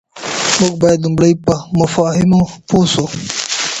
موږ بايد لومړی په مفاهيمو پوه سو.